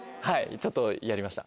ちょっとやりました。